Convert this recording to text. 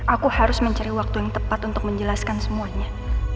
aku harus mencari waktu yang tepat untuk menjelaskan semuanya